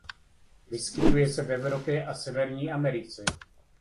Vyskytuje se v Evropě a Severní Americe.